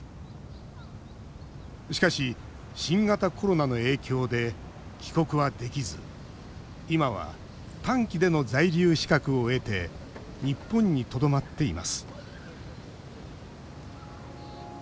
しかし、新型コロナの影響で帰国はできず今は短期での在留資格を得て日本にとどまっています。